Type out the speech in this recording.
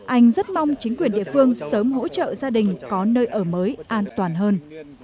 anh rất mong chính quyền địa phương sớm hỗ trợ gia đình có nơi ở mới an toàn hơn